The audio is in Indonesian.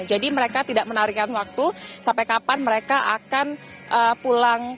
jadi mereka tidak menarikan waktu sampai kapan mereka akan pulang ke kampung halaman mereka